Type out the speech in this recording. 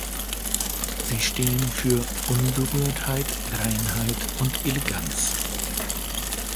Sie stehen für Unberührtheit, Reinheit und Eleganz.